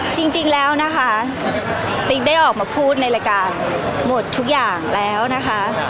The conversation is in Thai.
จริงแล้วนะคะติ๊กได้ออกมาพูดในรายการหมดทุกอย่างแล้วนะคะ